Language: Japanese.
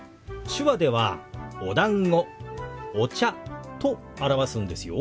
手話では「おだんご」「お茶」と表すんですよ。